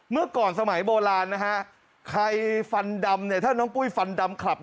เมื่อก่อนสมัยโบราณนะฮะใครฟันดำเนี่ยถ้าน้องปุ้ยฟันดำขลับ